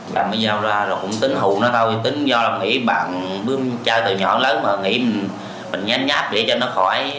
đặng mới giao ra là cũng tính hù nó thôi tính do là nghĩ bạn trai từ nhỏ lớn mà nghĩ mình nhát nhát để cho nó khỏi